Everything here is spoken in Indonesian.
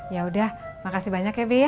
yaudah makasih banyak ya bi ya